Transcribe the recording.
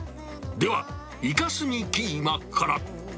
では、イカスミキーマから。